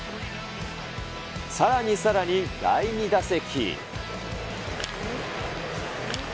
さらにさらに第２打席。